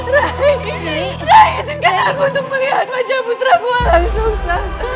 rai rai isinkan aku untuk melihat putraku walang sungsang